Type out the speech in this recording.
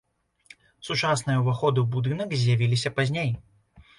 Сучасныя ўваходы ў будынак з'явіліся пазней.